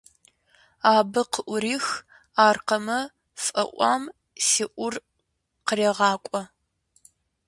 Абы къыӀурих аркъэмэ фӀэӀуам си Ӏур кърегъакӀуэ.